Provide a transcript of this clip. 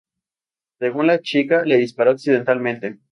Según la chica, le disparó accidentalmente.